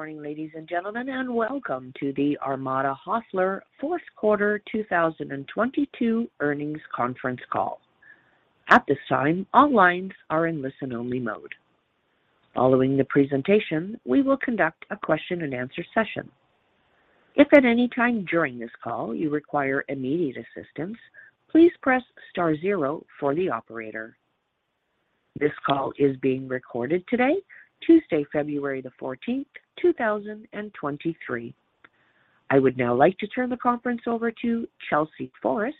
Good morning, ladies and gentlemen, and welcome to the Armada Hoffler fourth quarter 2022 earnings conference call. At this time, all lines are in listen-only mode. Following the presentation, we will conduct a question and answer session. If at any time during this call you require immediate assistance, please press star zero for the operator. This call is being recorded today, Tuesday, February the 14th, 2023. I would now like to turn the conference over to Chelsea Forrest,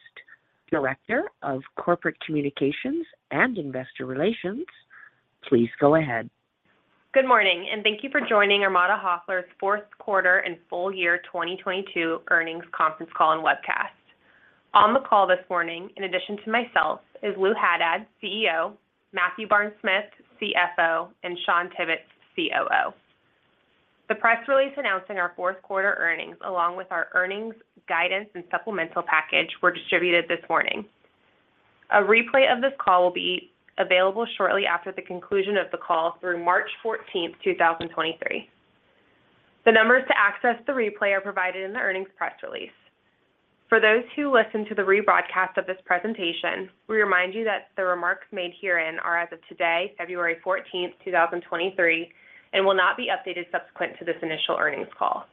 Director of Corporate Communications and Investor Relations. Please go ahead. Good morning. Thank you for joining Armada Hoffler's fourth quarter and full year 2022 earnings conference call and webcast. On the call this morning, in addition to myself, is Lou Haddad, CEO, Matthew Barnes-Smith, CFO, and Shawn Tibbetts, COO. The press release announcing our fourth quarter earnings, along with our earnings guidance and supplemental package, were distributed this morning. A replay of this call will be available shortly after the conclusion of the call through March 14, 2023. The numbers to access the replay are provided in the earnings press release. For those who listen to the rebroadcast of this presentation, we remind you that the remarks made herein are as of today, February 14, 2023, will not be updated subsequent to this initial earnings call.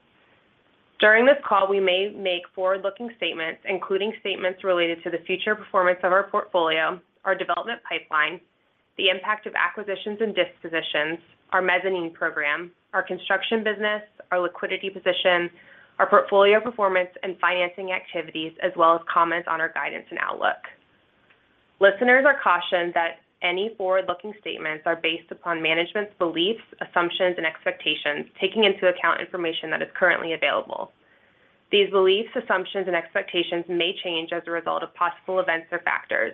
During this call, we may make forward-looking statements, including statements related to the future performance of our portfolio, our development pipeline, the impact of acquisitions and dispositions, our mezzanine program, our construction business, our liquidity position, our portfolio performance and financing activities, as well as comments on our guidance and outlook. Listeners are cautioned that any forward-looking statements are based upon management's beliefs, assumptions, and expectations, taking into account information that is currently available. These beliefs, assumptions, and expectations may change as a result of possible events or factors,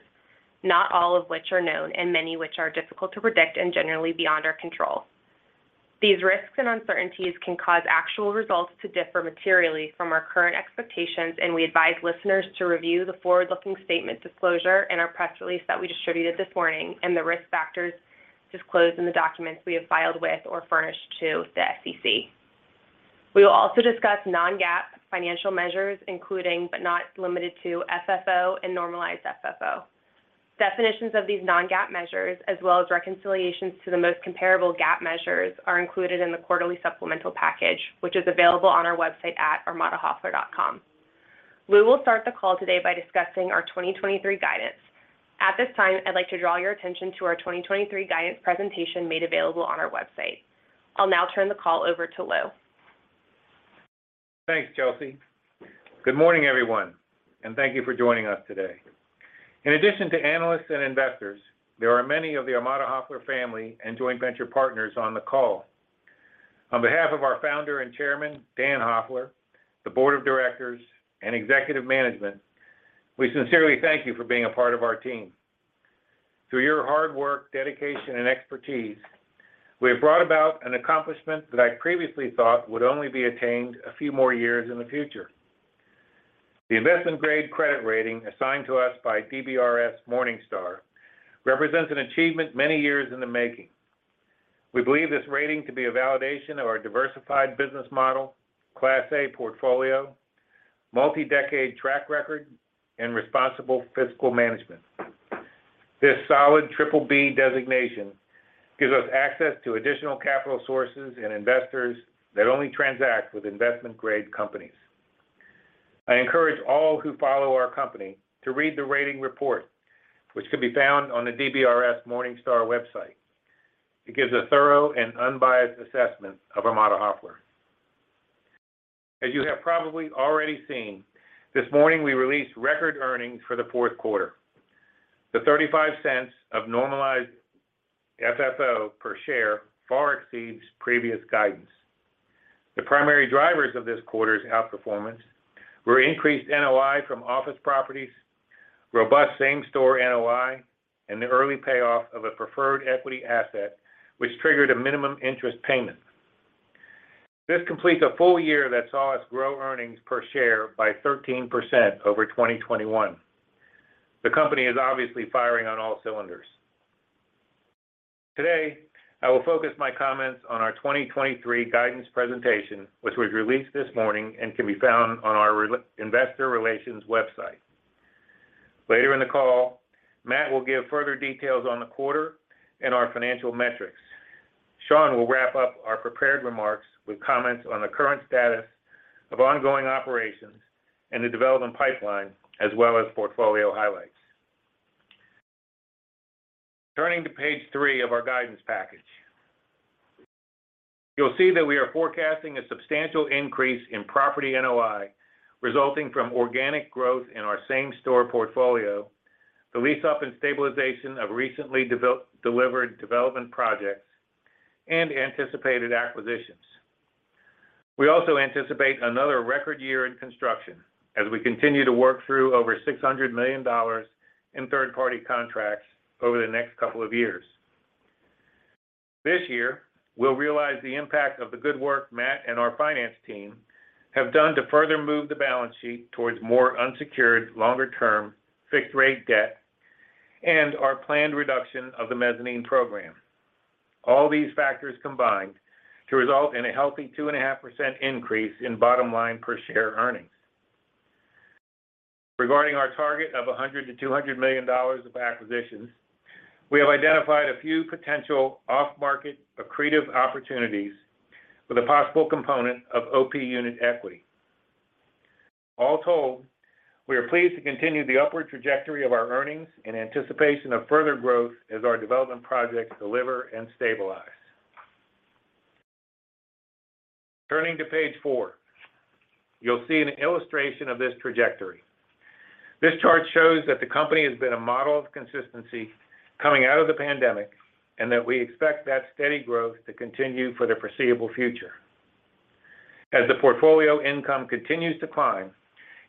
not all of which are known, and many which are difficult to predict and generally beyond our control. These risks and uncertainties can cause actual results to differ materially from our current expectations. We advise listeners to review the forward-looking statement disclosure in our press release that we distributed this morning and the risk factors disclosed in the documents we have filed with or furnished to the SEC. We will also discuss non-GAAP financial measures, including, but not limited to, FFO and normalized FFO. Definitions of these non-GAAP measures, as well as reconciliations to the most comparable GAAP measures, are included in the quarterly supplemental package, which is available on our website at armadahoffler.com. Lou will start the call today by discussing our 2023 guidance. At this time, I'd like to draw your attention to our 2023 guidance presentation made available on our website. I'll now turn the call over to Lou. Thanks, Chelsea. Good morning, everyone, and thank you for joining us today. In addition to analysts and investors, there are many of the Armada Hoffler family and joint venture partners on the call. On behalf of our founder and Chairman, Dan Hoffler, the board of directors, and executive management, we sincerely thank you for being a part of our team. Through your hard work, dedication, and expertise, we have brought about an accomplishment that I previously thought would only be attained a few more years in the future. The investment grade credit rating assigned to us by DBRS Morningstar represents an achievement many years in the making. We believe this rating to be a validation of our diversified business model, Class A portfolio, multi-decade track record, and responsible fiscal management. This solid BBB designation gives us access to additional capital sources and investors that only transact with investment-grade companies. I encourage all who follow our company to read the rating report, which can be found on the DBRS Morningstar website. It gives a thorough and unbiased assessment of Armada Hoffler. As you have probably already seen, this morning we released record earnings for the fourth quarter. The $0.35 of normalized FFO per share far exceeds previous guidance. The primary drivers of this quarter's outperformance were increased NOI from office properties, robust same-store NOI, and the early payoff of a preferred equity asset which triggered a minimum interest payment. This completes a full year that saw us grow earnings per share by 13% over 2021. The company is obviously firing on all cylinders. Today, I will focus my comments on our 2023 guidance presentation, which was released this morning and can be found on our investor relations website. Later in the call, Matt will give further details on the quarter and our financial metrics. Shawn will wrap up our prepared remarks with comments on the current status of ongoing operations and the development pipeline, as well as portfolio highlights. Turning to page three of our guidance package. You'll see that we are forecasting a substantial increase in property NOI resulting from organic growth in our same-store portfolio, the lease up and stabilization of recently delivered development projects, and anticipated acquisitions. We also anticipate another record year in construction as we continue to work through over $600 million in third-party contracts over the next couple of years. This year, we'll realize the impact of the good work Matt and our finance team have done to further move the balance sheet towards more unsecured, longer-term, fixed-rate debt. Our planned reduction of the mezzanine program. All these factors combined to result in a healthy 2.5% increase in bottom line per share earnings. Regarding our target of $100 million-$200 million of acquisitions, we have identified a few potential off-market accretive opportunities with a possible component of OP unit equity. All told, we are pleased to continue the upward trajectory of our earnings in anticipation of further growth as our development projects deliver and stabilize. Turning to page four, you'll see an illustration of this trajectory. This chart shows that the company has been a model of consistency coming out of the pandemic, that we expect that steady growth to continue for the foreseeable future. As the portfolio income continues to climb,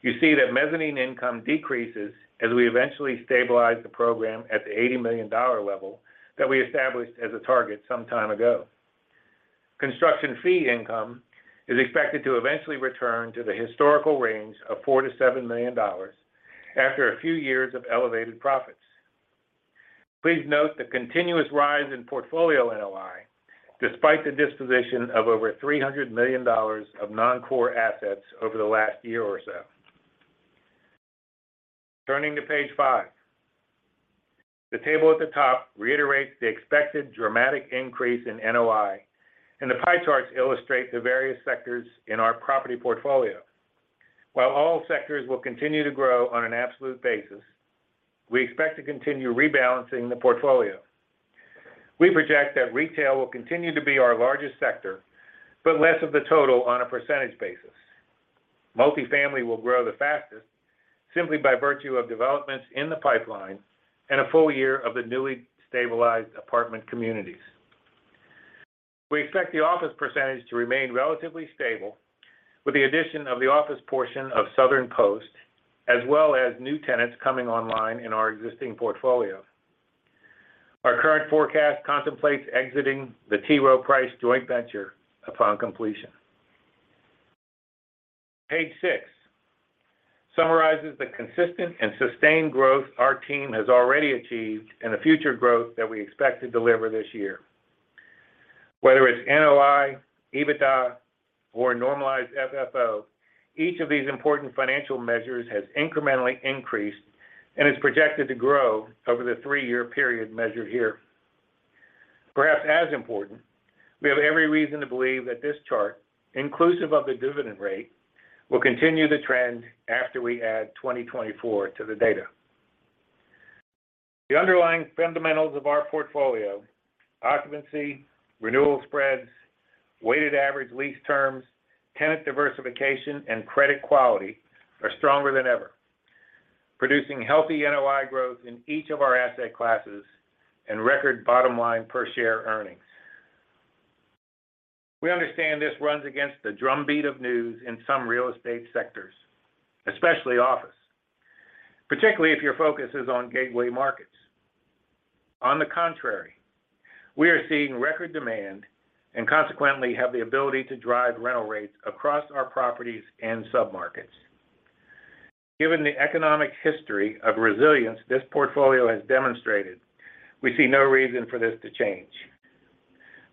you see that mezzanine income decreases as we eventually stabilize the program at the $80 million level that we established as a target some time ago. Construction fee income is expected to eventually return to the historical range of $4 million-$7 million after a few years of elevated profits. Please note the continuous rise in portfolio NOI despite the disposition of over $300 million of non-core assets over the last year or so. Turning to page five. The table at the top reiterates the expected dramatic increase in NOI, and the pie charts illustrate the various sectors in our property portfolio. While all sectors will continue to grow on an absolute basis, we expect to continue rebalancing the portfolio. We project that retail will continue to be our largest sector, less of the total on a percentage basis. Multifamily will grow the fastest simply by virtue of developments in the pipeline and a full year of the newly stabilized apartment communities. We expect the office percentage to remain relatively stable with the addition of the office portion of Southern Post, as well as new tenants coming online in our existing portfolio. Our current forecast contemplates exiting the T. Rowe Price joint venture upon completion. Page six summarizes the consistent and sustained growth our team has already achieved and the future growth that we expect to deliver this year. Whether it's NOI, EBITDA, or normalized FFO, each of these important financial measures has incrementally increased and is projected to grow over the three year period measured here. Perhaps as important, we have every reason to believe that this chart, inclusive of the dividend rate, will continue the trend after we add 2024 to the data. The underlying fundamentals of our portfolio, occupancy, renewal spreads, weighted average lease terms, tenant diversification, and credit quality are stronger than ever, producing healthy NOI growth in each of our asset classes and record bottom line per share earnings. We understand this runs against the drumbeat of news in some real estate sectors, especially office, particularly if your focus is on gateway markets. On the contrary, we are seeing record demand and consequently have the ability to drive rental rates across our properties and submarkets. Given the economic history of resilience this portfolio has demonstrated, we see no reason for this to change.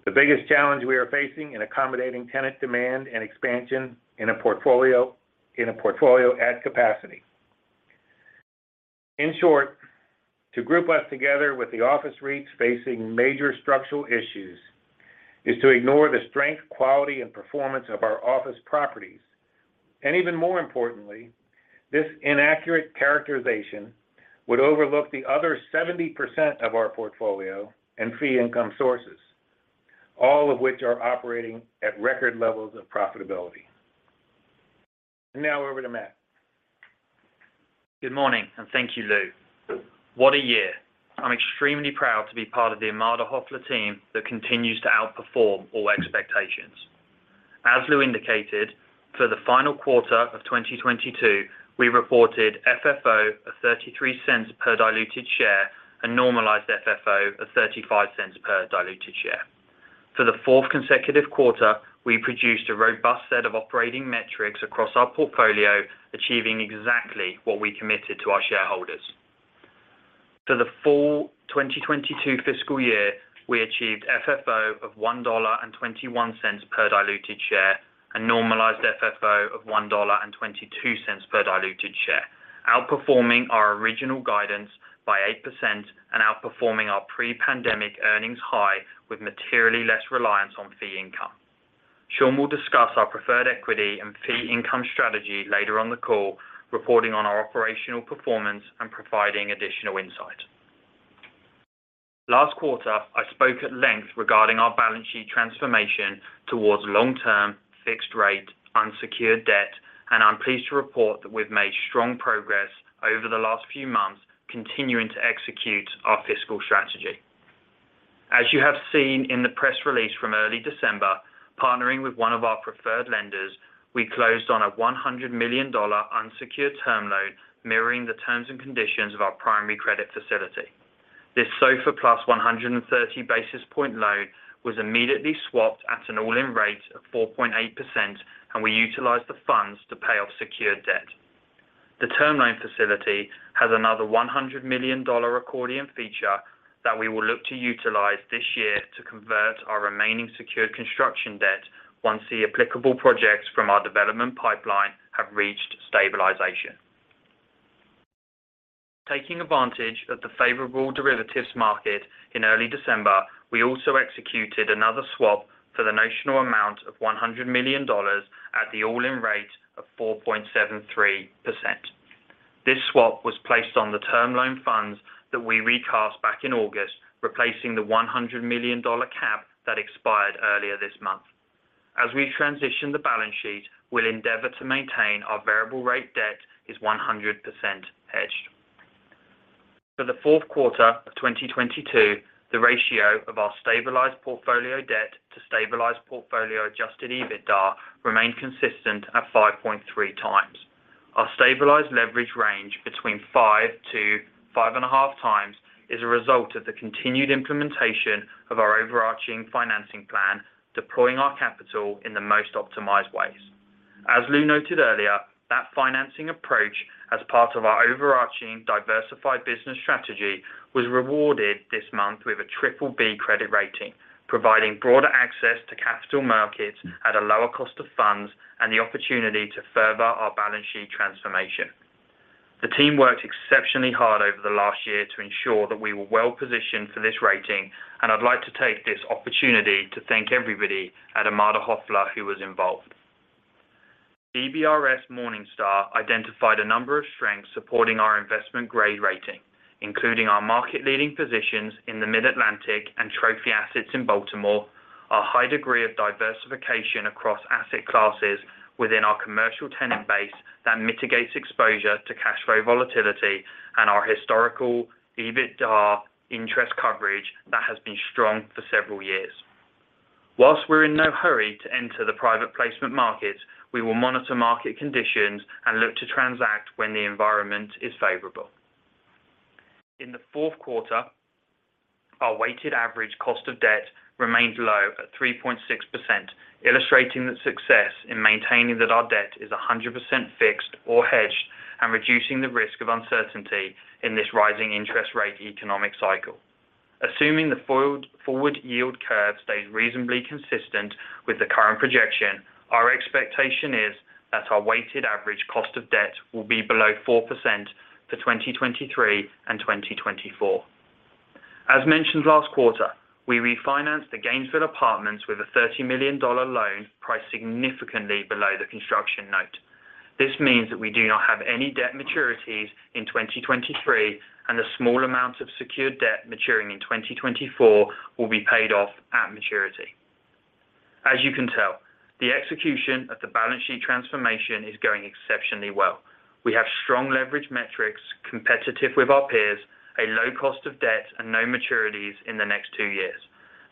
The biggest challenge we are facing in accommodating tenant demand and expansion in a portfolio, in a portfolio at capacity. In short, to group us together with the office REITs facing major structural issues is to ignore the strength, quality, and performance of our office properties. Even more importantly, this inaccurate characterization would overlook the other 70% of our portfolio and fee income sources, all of which are operating at record levels of profitability. Now over to Matt. Good morning. Thank you, Lou. What a year. I'm extremely proud to be part of the Armada Hoffler team that continues to outperform all expectations. As Lou indicated, for the final quarter of 2022, we reported FFO of $0.33 per diluted share and normalized FFO of $0.35 per diluted share. For the fourth consecutive quarter, we produced a robust set of operating metrics across our portfolio, achieving exactly what we committed to our shareholders. For the full 2022 fiscal year, we achieved FFO of $1.21 per diluted share and normalized FFO of $1.22 per diluted share, outperforming our original guidance by 8% and outperforming our pre-pandemic earnings high with materially less reliance on fee income. Shawn will discuss our preferred equity and fee income strategy later on the call, reporting on our operational performance and providing additional insight. Last quarter, I spoke at length regarding our balance sheet transformation towards long-term fixed rate unsecured debt. I'm pleased to report that we've made strong progress over the last few months continuing to execute our fiscal strategy. As you have seen in the press release from early December, partnering with one of our preferred lenders, we closed on a $100 million unsecured term loan mirroring the terms and conditions of our primary credit facility. This SOFR plus 130 basis point loan was immediately swapped at an all-in rate of 4.8%. We utilized the funds to pay off secured debt. The term loan facility has another $100 million accordion feature that we will look to utilize this year to convert our remaining secured construction debt once the applicable projects from our development pipeline have reached stabilization. Taking advantage of the favorable derivatives market in early December, we also executed another swap for the notional amount of $100 million at the all-in rate of 4.73%. This swap was placed on the term loan funds that we recast back in August, replacing the $100 million cap that expired earlier this month. As we transition the balance sheet, we'll endeavor to maintain our variable rate debt is 100% hedged. For the fourth quarter of 2022, the ratio of our stabilized portfolio debt to stabilized portfolio adjusted EBITDA remained consistent at 5.3x. Our stabilized leverage range between five to five and a half times is a result of the continued implementation of our overarching financing plan, deploying our capital in the most optimized ways. As Lou noted earlier, that financing approach as part of our overarching diversified business strategy was rewarded this month with a BBB credit rating, providing broader access to capital markets at a lower cost of funds and the opportunity to further our balance sheet transformation. The team worked exceptionally hard over the last year to ensure that we were well positioned for this rating. I'd like to take this opportunity to thank everybody at Armada Hoffler who was involved. DBRS Morningstar identified a number of strengths supporting our investment grade rating, including our market leading positions in the Mid-Atlantic and trophy assets in Baltimore, our high degree of diversification across asset classes within our commercial tenant base that mitigates exposure to cash flow volatility, and our historical EBITDA interest coverage that has been strong for several years. Whilst we're in no hurry to enter the private placement market, we will monitor market conditions and look to transact when the environment is favorable. In the fourth quarter, our weighted average cost of debt remained low at 3.6%, illustrating the success in maintaining that our debt is 100% fixed or hedged and reducing the risk of uncertainty in this rising interest rate economic cycle. Assuming the forward yield curve stays reasonably consistent with the current projection, our expectation is that our weighted average cost of debt will be below 4% for 2023 and 2024. As mentioned last quarter, we refinanced the Gainesville apartments with a $30 million loan priced significantly below the construction note. This means that we do not have any debt maturities in 2023, and the small amounts of secured debt maturing in 2024 will be paid off at maturity. As you can tell, the execution of the balance sheet transformation is going exceptionally well. We have strong leverage metrics competitive with our peers, a low cost of debt, and no maturities in the next two years.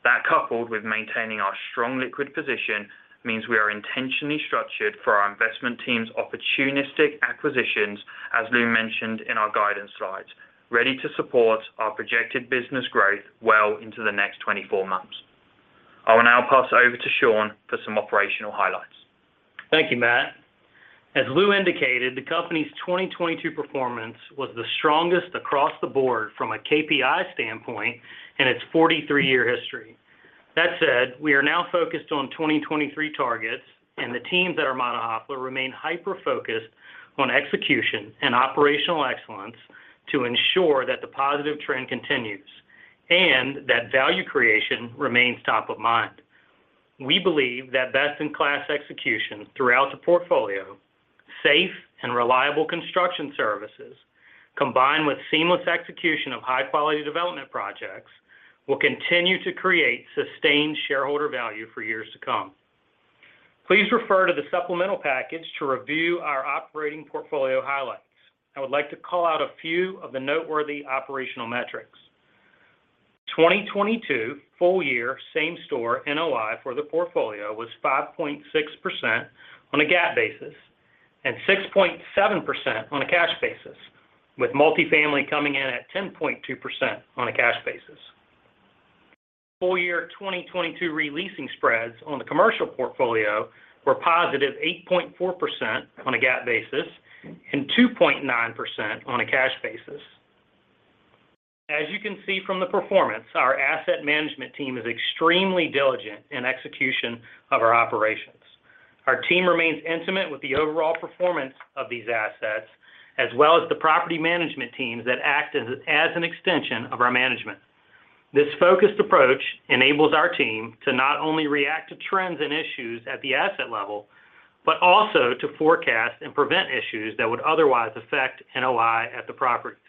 That coupled with maintaining our strong liquid position means we are intentionally structured for our investment team's opportunistic acquisitions, as Lou mentioned in our guidance slides, ready to support our projected business growth well into the next 24 months. I will now pass over to Shawn for some operational highlights. Thank you, Matt. As Lou indicated, the company's 2022 performance was the strongest across the board from a KPI standpoint in its 43-year history. That said, we are now focused on 2023 targets and the teams at Armada Hoffler remain hyper-focused on execution and operational excellence to ensure that the positive trend continues and that value creation remains top of mind. We believe that best in class execution throughout the portfolio, safe and reliable construction services combined with seamless execution of high quality development projects will continue to create sustained shareholder value for years to come. Please refer to the supplemental package to review our operating portfolio highlights. I would like to call out a few of the noteworthy operational metrics. 2022 full year same-store NOI for the portfolio was 5.6% on a GAAP basis and 6.7% on a cash basis, with multifamily coming in at 10.2% on a cash basis. Full year 2022 re-leasing spreads on the commercial portfolio were positive 8.4% on a GAAP basis and 2.9% on a cash basis. As you can see from the performance, our asset management team is extremely diligent in execution of our operations. Our team remains intimate with the overall performance of these assets as well as the property management teams that act as an extension of our management. This focused approach enables our team to not only react to trends and issues at the asset level, but also to forecast and prevent issues that would otherwise affect NOI at the properties.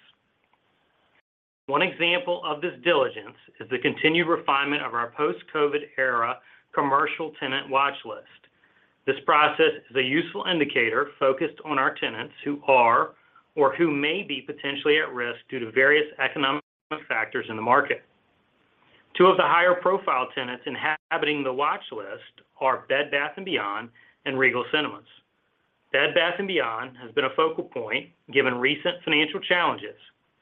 One example of this diligence is the continued refinement of our post-COVID era commercial tenant watch list. This process is a useful indicator focused on our tenants who are or who may be potentially at risk due to various economic factors in the market. Two of the higher profile tenants inhabiting the watch list are Bed Bath & Beyond and Regal Cinemas. Bed Bath & Beyond has been a focal point given recent financial challenges.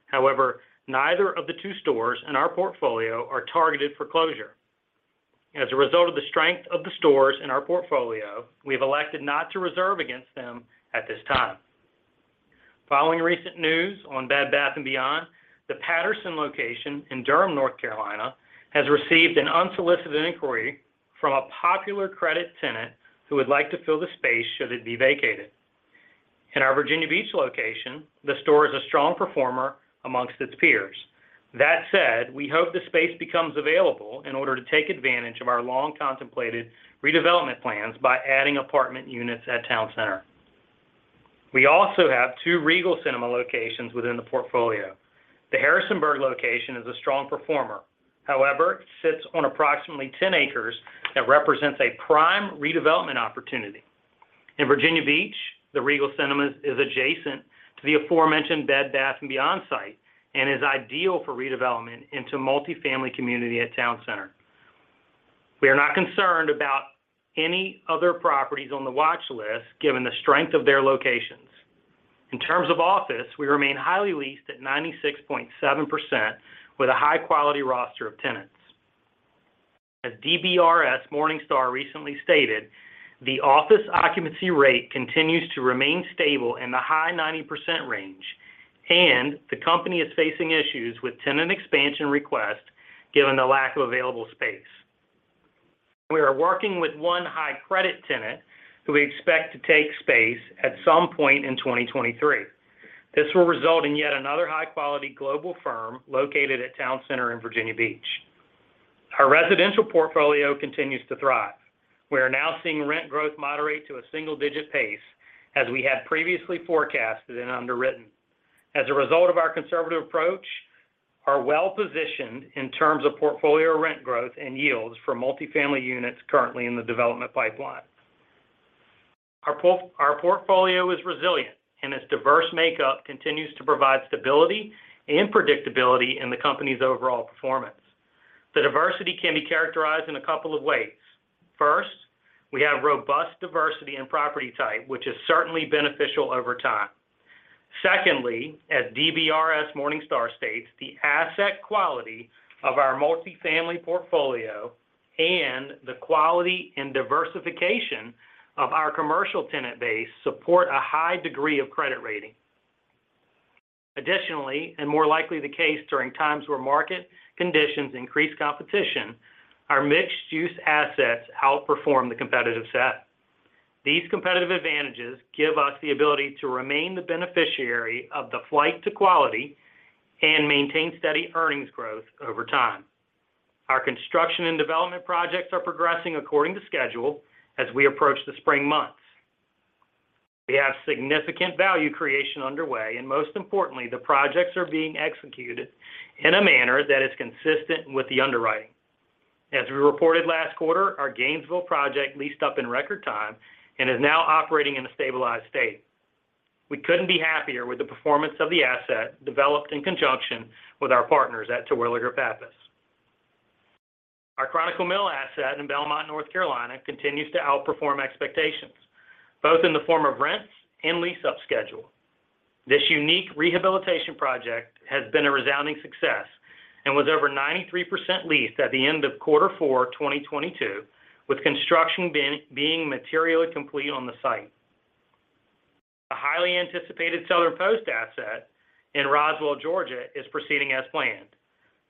However, neither of the two stores in our portfolio are targeted for closure. As a result of the strength of the stores in our portfolio, we have elected not to reserve against them at this time. Following recent news on Bed Bath & Beyond, the Patterson Place in Durham, North Carolina, has received an unsolicited inquiry from a popular credit tenant who would like to fill the space should it be vacated. In our Virginia Beach location, the store is a strong performer amongst its peers. That said, we hope the space becomes available in order to take advantage of our long contemplated redevelopment plans by adding apartment units at Town Center. We also have two Regal Cinemas locations within the portfolio. The Harrisonburg location is a strong performer, however, it sits on approximately 10 acres that represents a prime redevelopment opportunity. In Virginia Beach, the Regal Cinemas is adjacent to the aforementioned Bed Bath & Beyond site and is ideal for redevelopment into multifamily community at Town Center. We are not concerned about any other properties on the watch list given the strength of their locations. In terms of office, we remain highly leased at 96.7% with a high quality roster of tenants. As DBRS Morningstar recently stated, the office occupancy rate continues to remain stable in the high 90% range. The company is facing issues with tenant expansion requests given the lack of available space. We are working with one high credit tenant who we expect to take space at some point in 2023. This will result in yet another high quality global firm located at Town Center in Virginia Beach. Our residential portfolio continues to thrive. We are now seeing rent growth moderate to a single digit pace as we had previously forecasted and underwritten. As a result of our conservative approach, are well-positioned in terms of portfolio rent growth and yields for multifamily units currently in the development pipeline. Our portfolio is resilient. Its diverse makeup continues to provide stability and predictability in the company's overall performance. The diversity can be characterized in a couple of ways. First, we have robust diversity in property type, which is certainly beneficial over time. Secondly, as DBRS Morningstar states, the asset quality of our multifamily portfolio and the quality and diversification of our commercial tenant base support a high degree of credit rating. Additionally, more likely the case during times where market conditions increase competition, our mixed use assets outperform the competitive set. These competitive advantages give us the ability to remain the beneficiary of the flight to quality and maintain steady earnings growth over time. Our construction and development projects are progressing according to schedule as we approach the spring months. We have significant value creation underway, most importantly, the projects are being executed in a manner that is consistent with the underwriting. As we reported last quarter, our Gainesville project leased up in record time and is now operating in a stabilized state. We couldn't be happier with the performance of the asset developed in conjunction with our partners at Terwilliger Pappas. Our Chronicle Mill asset in Belmont, North Carolina, continues to outperform expectations, both in the form of rents and lease up schedule. This unique rehabilitation project has been a resounding success and was over 93% leased at the end of quarter four, 2022, with construction being materially complete on the site. The highly anticipated Southern Post asset in Roswell, Georgia, is proceeding as planned.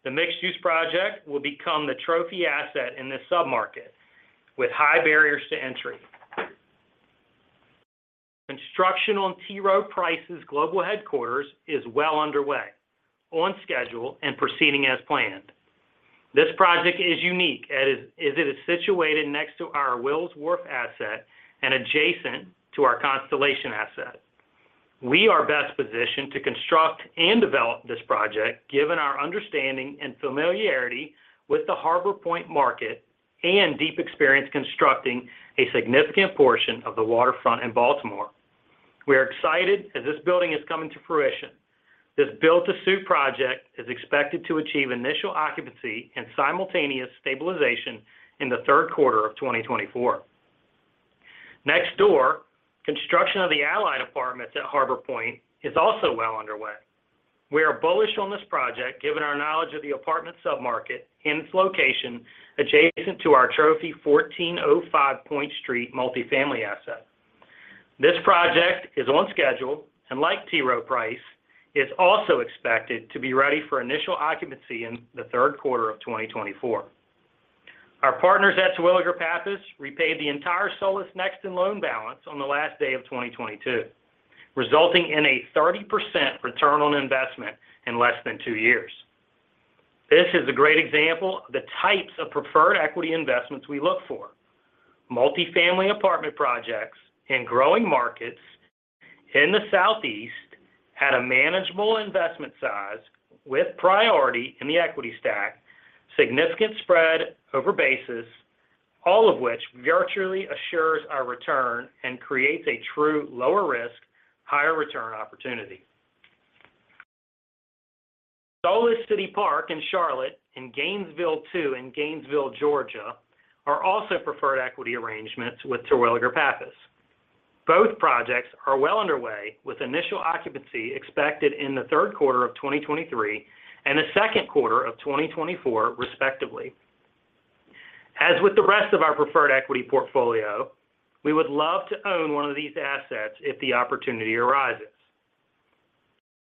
The mixed-use project will become the trophy asset in this submarket with high barriers to entry. Construction on T. Rowe Price's global headquarters is well underway, on schedule, and proceeding as planned. This project is unique as it is situated next to our Wills Wharf asset and adjacent to our Constellation asset. We are best positioned to construct and develop this project given our understanding and familiarity with the Harbor Point market and deep experience constructing a significant portion of the waterfront in Baltimore. We are excited as this building is coming to fruition. This build to suit project is expected to achieve initial occupancy and simultaneous stabilization in the third quarter of 2024. Next door, construction of the Allied Apartments at Harbor Point is also well underway. We are bullish on this project given our knowledge of the apartment sub-market and its location adjacent to our trophy 1405 Point Street multifamily asset. This project is on schedule, like T. Rowe Price, is also expected to be ready for initial occupancy in the third quarter of 2024. Our partners at Terwilliger Pappas repaid the entire Solis Nexton loan balance on the last day of 2022, resulting in a 30% return on investment in less than two years. This is a great example of the types of preferred equity investments we look for. Multifamily apartment projects in growing markets in the southeast at a manageable investment size with priority in the equity stack, significant spread over basis, all of which virtually assures our return and creates a true lower risk, higher return opportunity. Solis City Park in Charlotte and Gainesville II in Gainesville, Georgia are also preferred equity arrangements with Terwilliger Pappas. Both projects are well underway, with initial occupancy expected in the third quarter of 2023 and the second quarter of 2024 respectively. As with the rest of our preferred equity portfolio, we would love to own one of these assets if the opportunity arises.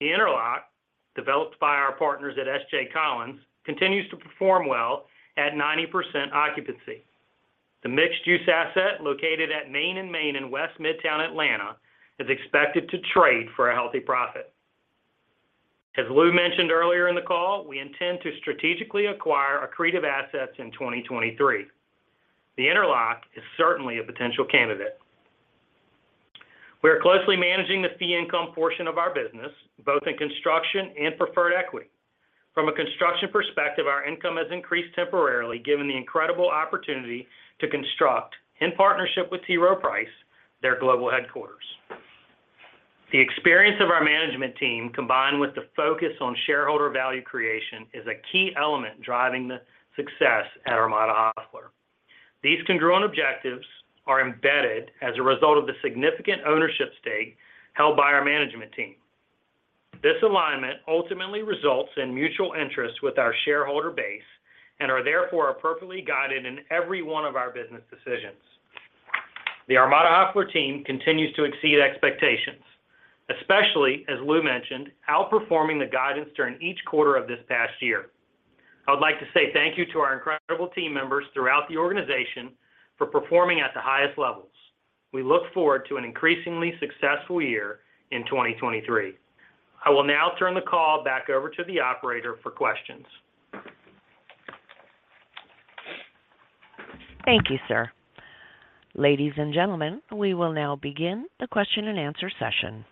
The Interlock, developed by our partners at S.J. Collins, continues to perform well at 90% occupancy. The mixed-use asset located at Main and Main in West Midtown Atlanta is expected to trade for a healthy profit. As Lou mentioned earlier in the call, we intend to strategically acquire accretive assets in 2023. The Interlock is certainly a potential candidate. We are closely managing the fee income portion of our business, both in construction and preferred equity. From a construction perspective, our income has increased temporarily given the incredible opportunity to construct in partnership with T. Rowe Price, their global headquarters. The experience of our management team, combined with the focus on shareholder value creation, is a key element driving the success at Armada Hoffler. These congruent objectives are embedded as a result of the significant ownership stake held by our management team. This alignment ultimately results in mutual interest with our shareholder base and are therefore perfectly guided in every one of our business decisions. The Armada Hoffler team continues to exceed expectations, especially, as Lou mentioned, outperforming the guidance during each quarter of this past year. I would like to say thank you to our incredible team members throughout the organization for performing at the highest levels. We look forward to an increasingly successful year in 2023. I will now turn the call back over to the operator for questions. Thank you, sir. Ladies and gentlemen, we will now begin the question and answer session.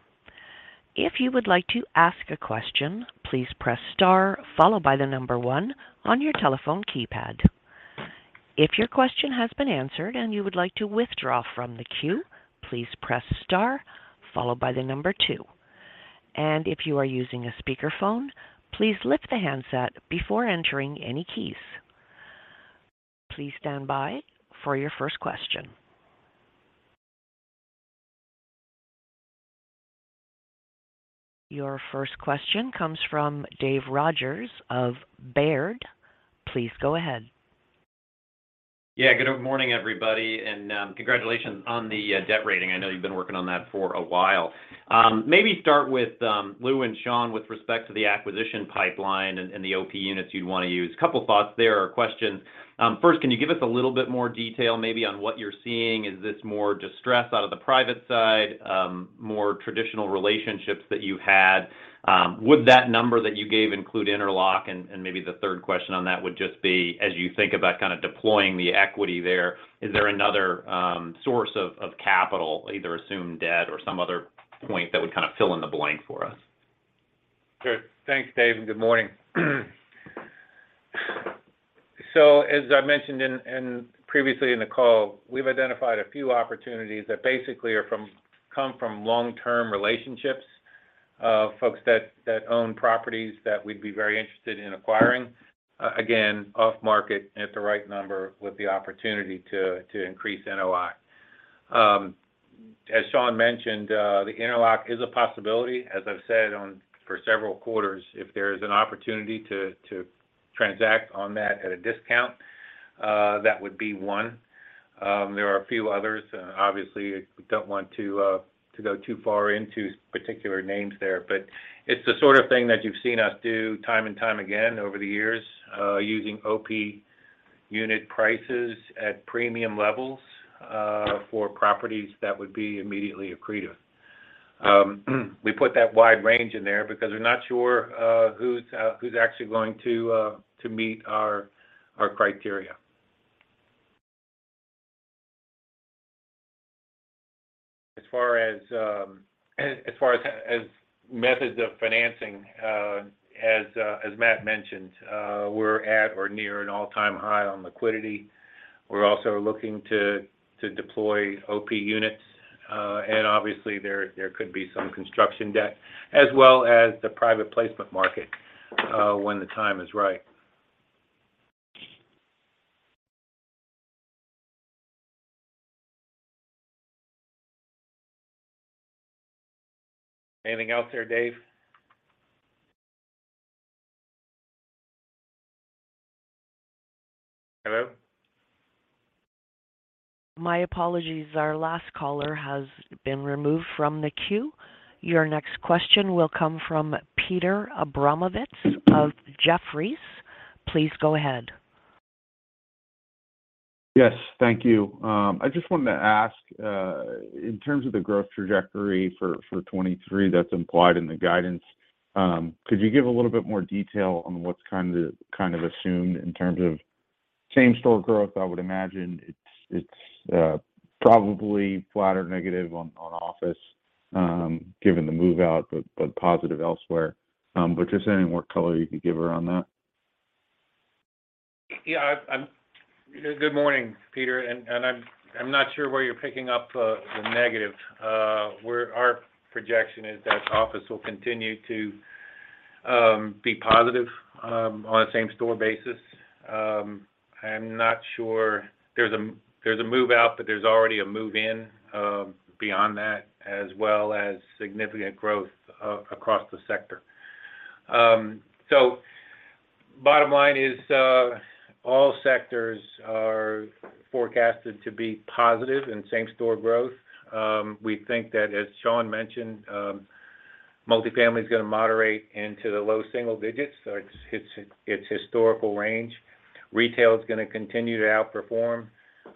If you would like to ask a question, please press star followed by the one on your telephone keypad. If your question has been answered and you would like to withdraw from the queue, please press star followed by the two. If you are using a speakerphone, please lift the handset before entering any keys. Please stand by for your first question. Your first question comes from Dave Rodgers of Baird. Please go ahead. Yeah, good morning, everybody, congratulations on the debt rating. I know you've been working on that for a while. Maybe start with Lou and Shawn with respect to the acquisition pipeline and the OP units you'd want to use. A couple thoughts there or questions. First, can you give us a little bit more detail maybe on what you're seeing? Is this more distress out of the private side, more traditional relationships that you had? Would that number that you gave include Interlock? Maybe the third question on that would just be, as you think about kind of deploying the equity there, is there another source of capital, either assumed debt or some other point that would kind of fill in the blank for us? Sure. Thanks, Dave, and good morning. As I mentioned previously in the call, we've identified a few opportunities that basically come from long-term relationships, folks that own properties that we'd be very interested in acquiring again, off market at the right number with the opportunity to increase NOI. As Shawn mentioned, The Interlock is a possibility. As I've said for several quarters, if there is an opportunity to transact on that at a discount, that would be one. There are a few others. Obviously, we don't want to go too far into particular names there. It's the sort of thing that you've seen us do time and time again over the years, using OP unit prices at premium levels for properties that would be immediately accretive. We put that wide range in there because we're not sure who's actually going to meet our criteria. As far as methods of financing, as Matt mentioned, we're at or near an all-time high on liquidity. We're also looking to deploy OP units. Obviously there could be some construction debt as well as the private placement market when the time is right. Anything else there, Dave? Hello? My apologies. Our last caller has been removed from the queue. Your next question will come from Peter Abramowitz of Jefferies. Please go ahead. Yes. Thank you. I just wanted to ask, in terms of the growth trajectory for 2023 that's implied in the guidance, could you give a little bit more detail on what's kind of assumed in terms of same-store growth? I would imagine it's probably flat or negative on office, given the move-out, but positive elsewhere. Just any more color you could give around that. Yeah, Good morning, Peter. I'm not sure where you're picking up the negative. where our projection is that office will continue to be positive on a same-store basis. I'm not sure there's a move out, but there's already a move in beyond that, as well as significant growth across the sector. Bottom line is, all sectors are forecasted to be positive in same-store growth. We think that, as Shawn mentioned, multifamily is gonna moderate into the low single digits, so it's historical range. Retail is gonna continue to outperform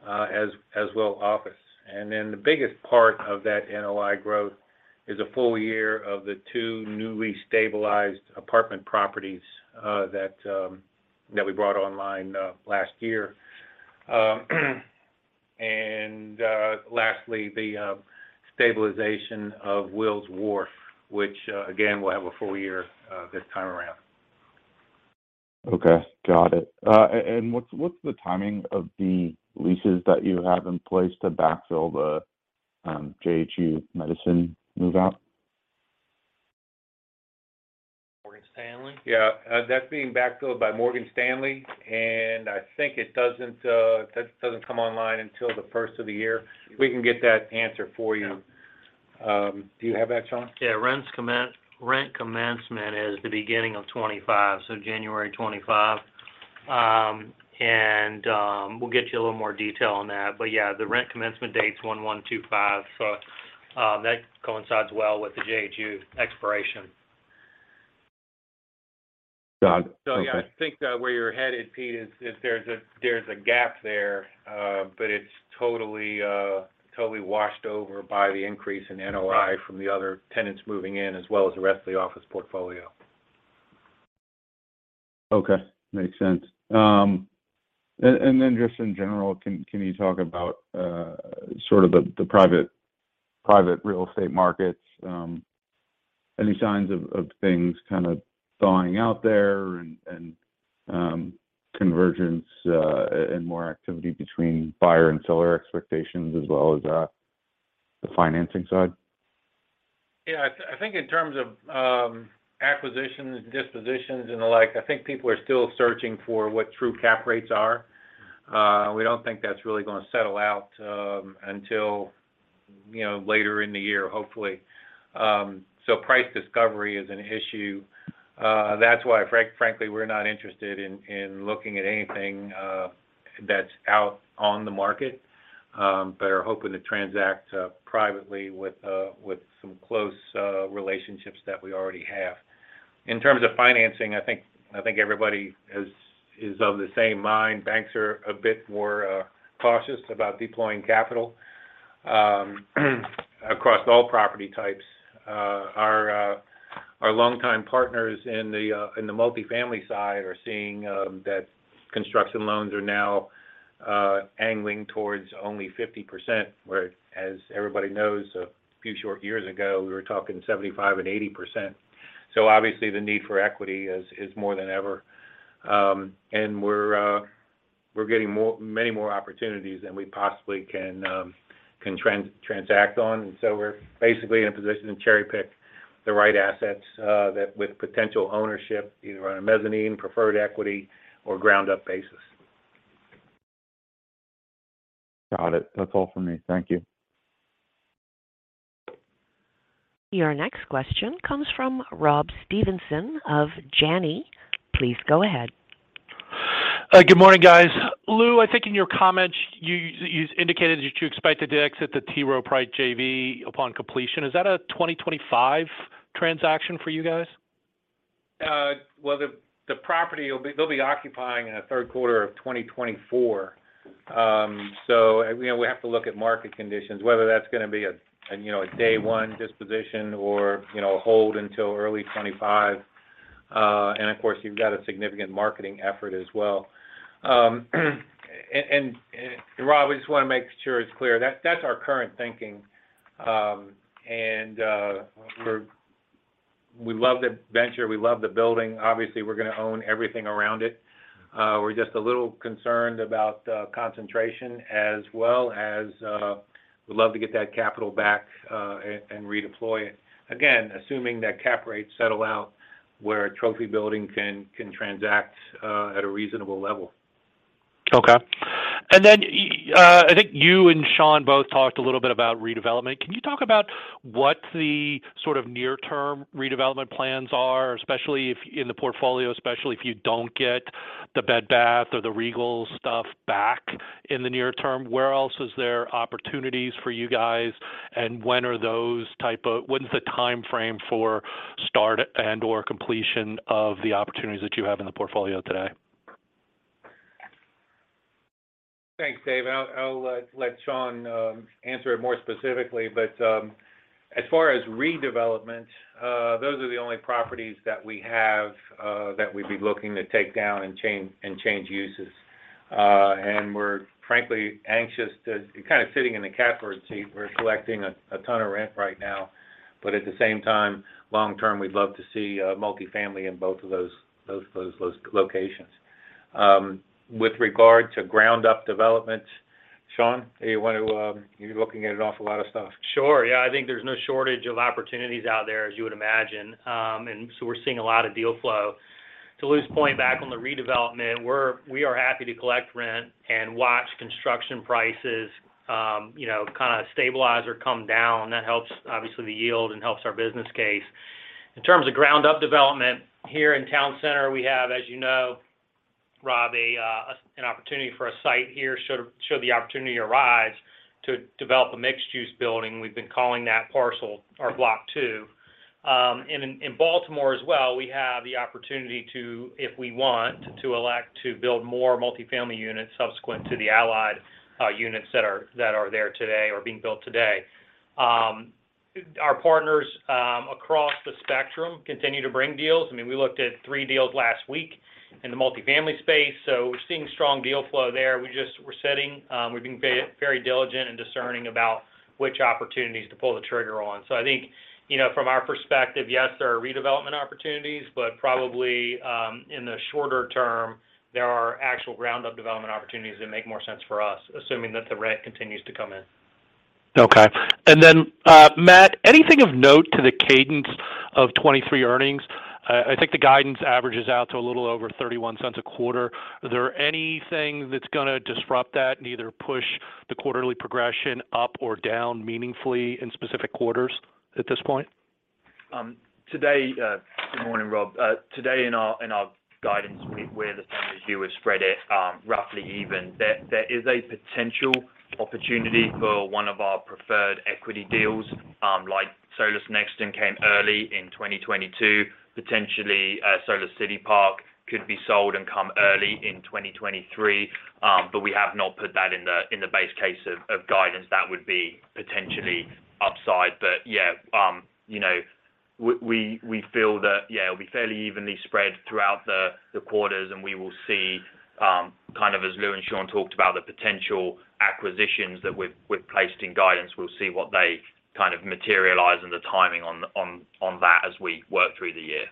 as will office. The biggest part of that NOI growth is a full year of the two newly stabilized apartment properties that we brought online last year. lastly, the stabilization of Wills Wharf, which again, will have a full year this time around. Okay. Got it. What's the timing of the leases that you have in place to backfill the JHU Medicine move-out? Morgan Stanley? Yeah. That's being backfilled by Morgan Stanley. I think it doesn't come online until the first of the year. We can get that answer for you. Do you have that, Shawn? Yeah. Rent commencement is the beginning of 2025, so January 2025. We'll get you a little more detail on that. Yeah, the rent commencement date's 1/1/2025. That coincides well with the JHU expiration. Got it. Okay. Yeah, I think, where you're headed, Pete, is there's a gap there, but it's totally washed over by the increase in NOI from the other tenants moving in as well as the rest of the office portfolio. Okay. Makes sense. Then just in general, can you talk about, sort of the private real estate markets, any signs of things kind of thawing out there and convergence, and more activity between buyer and seller expectations as well as the financing side? Yeah. I think in terms of acquisitions, dispositions and the like, I think people are still searching for what true cap rates are. We don't think that's really gonna settle out until, you know, later in the year, hopefully. Price discovery is an issue. That's why frankly, we're not interested in looking at anything that's out on the market, but are hoping to transact privately with some close relationships that we already have. In terms of financing, I think everybody is of the same mind. Banks are a bit more cautious about deploying capital across all property types. Our longtime partners in the multifamily side are seeing that construction loans are now angling towards only 50%, where as everybody knows, a few short years ago, we were talking 75% and 80%. Obviously, the need for equity is more than ever. We're getting many more opportunities than we possibly can transact on. We're basically in a position to cherry-pick the right assets that with potential ownership, either on a mezzanine, preferred equity, or ground-up basis. Got it. That's all for me. Thank you. Your next question comes from Rob Stevenson of Janney. Please go ahead. Good morning, guys. Lou, I think in your comments, you indicated that you expect to exit the T. Rowe Price JV upon completion. Is that a 2025 transaction for you guys? Well, the property will be occupying in the third quarter of 2024. You know, we have to look at market conditions, whether that's gonna be a, you know, a day one disposition or, you know, hold until early 2025. Of course, you've got a significant marketing effort as well. Rob, I just wanna make sure it's clear, that's our current thinking. We love the venture, we love the building. Obviously, we're gonna own everything around it. We're just a little concerned about concentration as well as we'd love to get that capital back and redeploy it. Again, assuming that cap rates settle out where a trophy building can transact at a reasonable level. Okay. Then, I think you and Shawn both talked a little bit about redevelopment. Can you talk about what the sort of near-term redevelopment plans are, especially if in the portfolio, especially if you don't get the Bed Bath or the Regal stuff back in the near term? Where else is there opportunities for you guys, and when are those when's the timeframe for start and/or completion of the opportunities that you have in the portfolio today? Thanks, Dave. I'll let Shawn answer it more specifically. As far as redevelopment, those are the only properties that we have that we'd be looking to take down and change, and change uses. We're frankly kind of sitting in the catbird seat. We're collecting a ton of rent right now, but at the same time, long term, we'd love to see multifamily in both of those locations. With regard to ground up development, Shawn, do you want to, you're looking at an awful lot of stuff. Sure. Yeah. I think there's no shortage of opportunities out there, as you would imagine. We're seeing a lot of deal flow. To Lou's point back on the redevelopment, we are happy to collect rent and watch construction prices, you know, kind of stabilize or come down. That helps, obviously, the yield and helps our business case. In terms of ground up development, here in Town Center, we have, as you know, Rob, an opportunity for a site here should the opportunity arise to develop a mixed-use building. We've been calling that parcel our Block Two. In Baltimore as well, we have the opportunity to, if we want, to elect to build more multifamily units subsequent to the Allied units that are there today or being built today. Our partners across the spectrum continue to bring deals. I mean, we looked at three deals last week in the multifamily space. We're seeing strong deal flow there. We're setting, we've been very diligent and discerning about which opportunities to pull the trigger on. I think, you know, from our perspective, yes, there are redevelopment opportunities, but probably, in the shorter term, there are actual ground up development opportunities that make more sense for us, assuming that the rent continues to come in. Okay. Matt, anything of note to the cadence of 2023 earnings? I think the guidance averages out to a little over $0.31 a quarter. Is there anything that's gonna disrupt that and either push the quarterly progression up or down meaningfully in specific quarters at this point? Today, good morning, Rob. Today in our guidance, where the tenure view is spread roughly even, there is a potential opportunity for one of our preferred equity deals, like Solis Nexton came early in 2022. Potentially, Solis City Park could be sold and come early in 2023. We have not put that in the base case of guidance. That would be potentially upside. You know, we feel that it'll be fairly evenly spread throughout the quarters, and we will see, kind of as Lou and Shawn talked about, the potential acquisitions that we've placed in guidance. We'll see what they kind of materialize and the timing on that as we work through the year.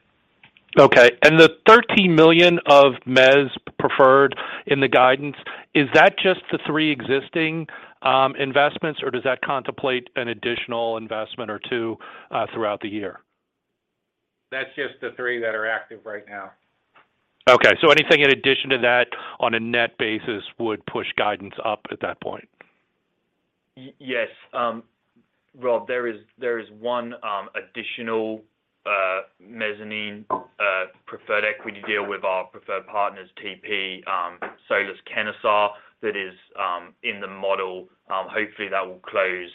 Okay. The $13 million of mezz preferred in the guidance, is that just the three existing investments, or does that contemplate an additional investment or two throughout the year? That's just the three that are active right now. Okay. Anything in addition to that on a net basis would push guidance up at that point. Yes, Rob, there is one additional mezzanine preferred equity deal with our preferred partners, TP, Solis Kennesaw, that is in the model. Hopefully, that will close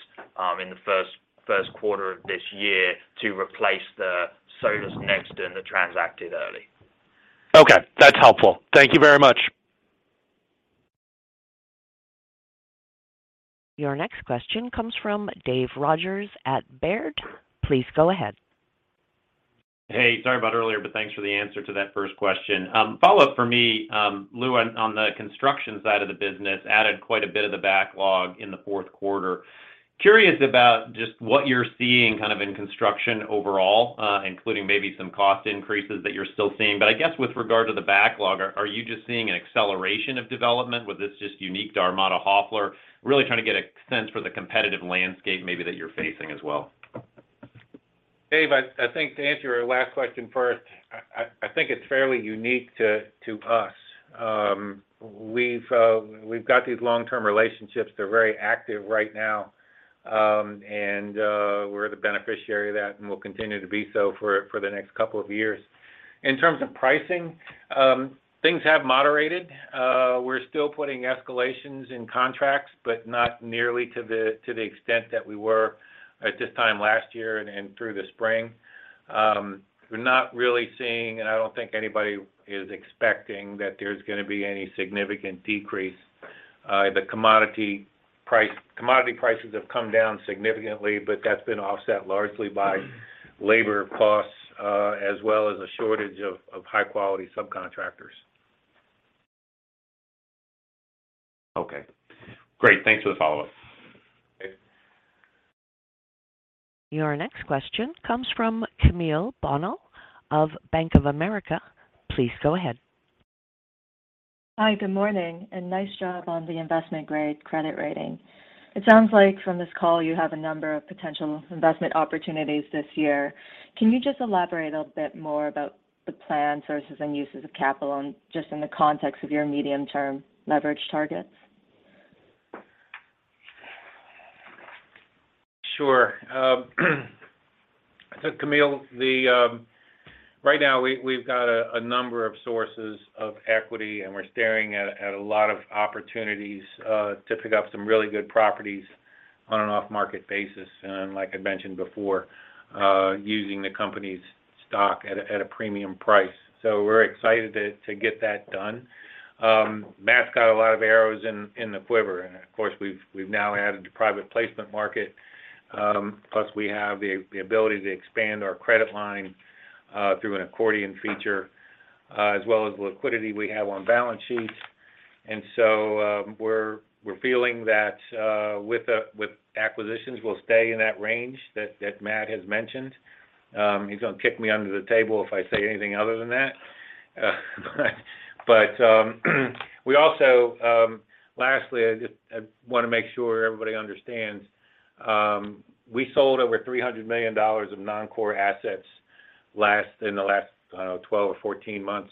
in the first quarter of this year to replace the Solis Nexton that transacted early. Okay, that's helpful. Thank you very much. Your next question comes from Dave Rodgers at Baird. Please go ahead. Hey, sorry about earlier, but thanks for the answer to that first question. Follow-up for me, Lou, on the construction side of the business, added quite a bit of the backlog in the fourth quarter. Curious about just what you're seeing kind of in construction overall, including maybe some cost increases that you're still seeing. I guess with regard to the backlog, are you just seeing an acceleration of development? Was this just unique to Armada Hoffler? Really trying to get a sense for the competitive landscape maybe that you're facing as well. Dave, I think to answer your last question first, I think it's fairly unique to us. We've got these long-term relationships. They're very active right now, and we're the beneficiary of that, and we'll continue to be so for the next couple of years. In terms of pricing, things have moderated. We're still putting escalations in contracts, but not nearly to the extent that we were at this time last year and through the spring. We're not really seeing, and I don't think anybody is expecting that there's gonna be any significant decrease. Commodity prices have come down significantly, but that's been offset largely by labor costs, as well as a shortage of high-quality subcontractors. Okay. Great. Thanks for the follow-up. Thanks. Your next question comes from Camille Bonnel of Bank of America. Please go ahead. Hi. Good morning. Nice job on the investment-grade credit rating. It sounds like from this call you have a number of potential investment opportunities this year. Can you just elaborate a bit more about the planned sources and uses of capital, and just in the context of your medium-term leverage targets? Sure. Camille, right now we've got a number of sources of equity, and we're staring at a lot of opportunities to pick up some really good properties on an off-market basis, and like I mentioned before, using the company's stock at a, at a premium price. So we're excited to get that done. Matt's got a lot of arrows in the quiver, and of course, we've now added the private placement market. Plus we have the ability to expand our credit line through an accordion feature, as well as the liquidity we have on balance sheets. We're, we're feeling that with acquisitions, we'll stay in that range that Matt has mentioned. He's gonna kick me under the table if I say anything other than that. We also, lastly, I just want to make sure everybody understands, we sold over $300 million of non-core assets in the last 12 or 14 months.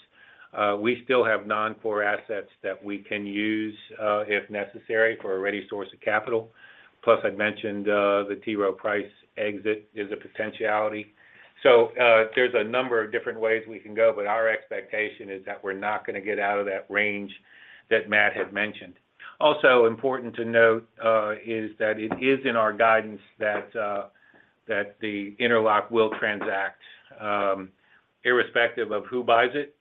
We still have non-core assets that we can use, if necessary, for a ready source of capital. Plus I'd mentioned the T. Rowe Price exit is a potentiality. There's a number of different ways we can go, but our expectation is that we're not going to get out of that range that Matt had mentioned. Also important to note is that it is in our guidance that The Interlock will transact, irrespective of who buys it,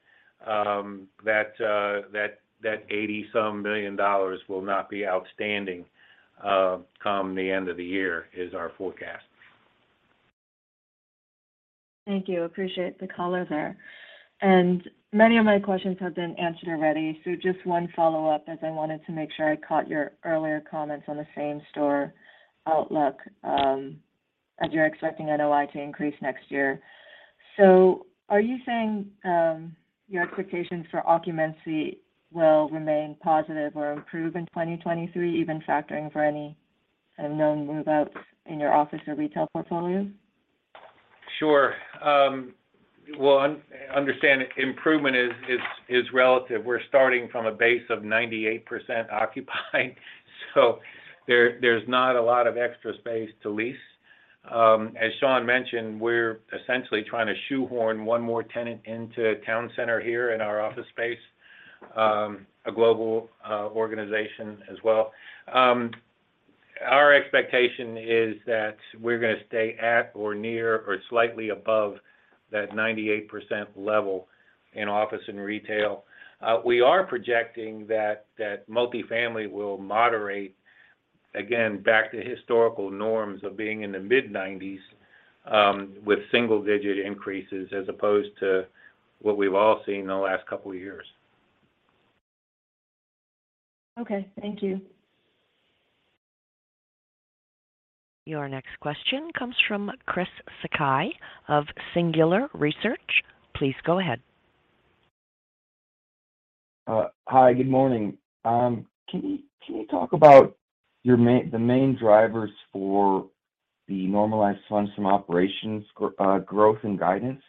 that that $80-some million will not be outstanding come the end of the year, is our forecast. Thank you. Appreciate the color there. Many of my questions have been answered already, so just one follow-up as I wanted to make sure I caught your earlier comments on the same-store outlook, as you're expecting NOI to increase next year. Are you saying, your expectations for occupancy will remain positive or improve in 2023, even factoring for any unknown move-outs in your office or retail portfolio? Sure. Well understand improvement is relative. We're starting from a base of 98% occupied, so there's not a lot of extra space to lease. As Shawn mentioned, we're essentially trying to shoehorn one more tenant into Town Center here in our office space, a global organization as well. Our expectation is that we're gonna stay at or near or slightly above that 98% level in office and retail. We are projecting that multifamily will moderate, again, back to historical norms of being in the mid-90s, with single-digit increases as opposed to what we've all seen in the last couple of years. Okay. Thank you. Your next question comes from Chris Sakai of Singular Research. Please go ahead. Hi. Good morning. Can you talk about the main drivers for the normalized Funds From Operations growth and guidance?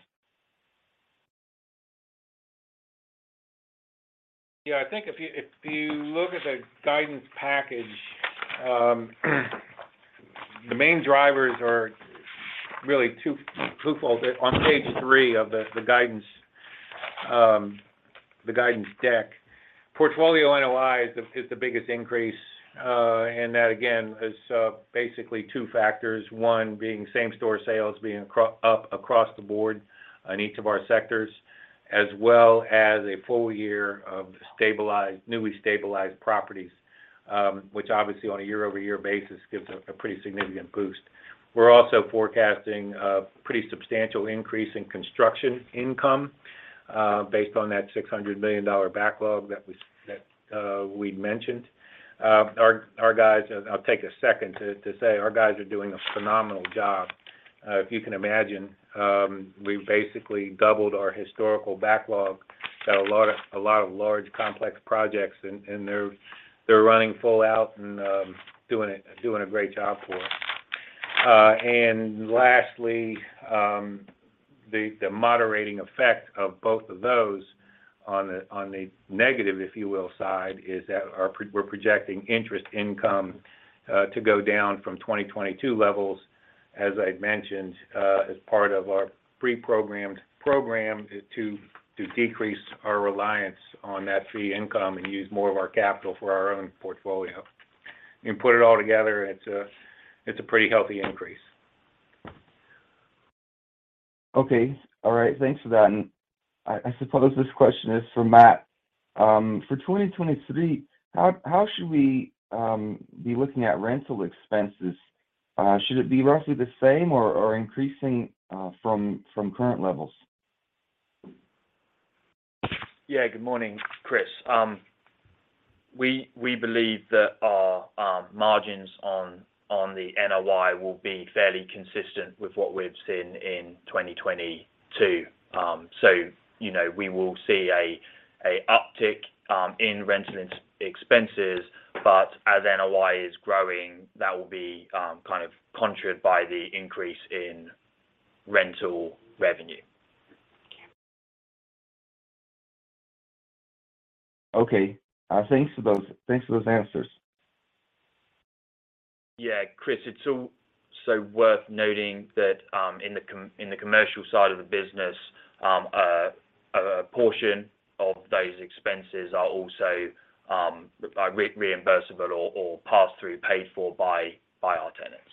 I think if you, if you look at the guidance package, the main drivers are really two fold. On page three of the guidance deck, portfolio NOI is the biggest increase. That again is basically two factors. One being same-store sales being up across the board in each of our sectors, as well as a full year of stabilized, newly stabilized properties, which obviously on a year-over-year basis gives a pretty significant boost. We're also forecasting a pretty substantial increase in construction income, based on that $600 million backlog that we'd mentioned. Our guys, I'll take a second to say our guys are doing a phenomenal job. If you can imagine, we basically doubled our historical backlog, so a lot of large complex projects and they're running full out and doing a great job for us. Lastly, the moderating effect of both of those on the negative, if you will, side is that we're projecting interest income to go down from 2022 levels. As I'd mentioned, as part of our pre-programmed program is to decrease our reliance on that fee income and use more of our capital for our own portfolio. You put it all together, it's a pretty healthy increase. Okay. All right. Thanks for that. I suppose this question is for Matt. For 2023, how should we be looking at rental expenses? Should it be roughly the same or increasing from current levels? Yeah. Good morning, Chris. We believe that our margins on the NOI will be fairly consistent with what we've seen in 2022. You know, we will see a uptick in rental ex-expenses, but as NOI is growing, that will be kind of countered by the increase in rental revenue. Okay. Thanks for those answers. Yeah. Chris, it's also worth noting that, in the commercial side of the business, a portion of those expenses are also reimbursable or passed through, paid for by our tenants.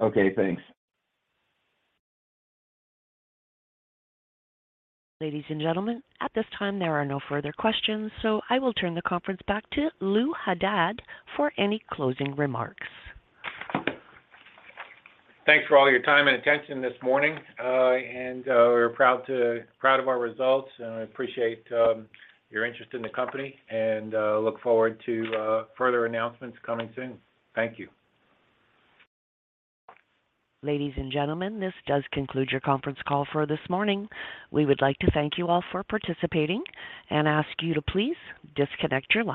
Okay, thanks. Ladies and gentlemen, at this time, there are no further questions, so I will turn the conference back to Lou Haddad for any closing remarks. Thanks for all your time and attention this morning. We're proud of our results, and I appreciate your interest in the company and look forward to further announcements coming soon. Thank you. Ladies and gentlemen, this does conclude your conference call for this morning. We would like to thank you all for participating and ask you to please disconnect your lines.